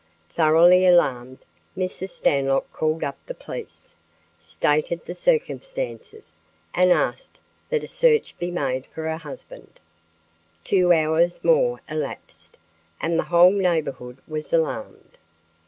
Thoroughly alarmed, Mrs. Stanlock called up the police, stated the circumstances and asked that a search be made for her husband. Two hours more elapsed and the whole neighborhood was alarmed.